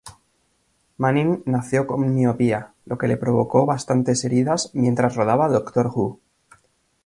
Manning nació con miopía, lo que le provocó bastantes heridas mientras rodaba "Doctor Who".